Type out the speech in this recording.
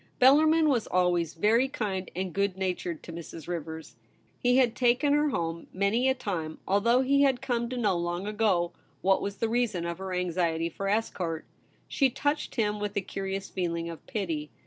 Bellarmin was always very kind and good natured to Mrs. Rivers. He had taken her MADAME SPIN OLA AT HOME. 113 home many a time, although he had come to know lonof ao^o what was the reason of her anxiety for escort. She touched him with a curious feeling of pity.